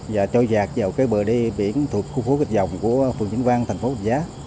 và trôi dạt vào cái bờ đi biển thuộc khu phố vịt dòng của phường vĩnh văn thành phố vịnh giá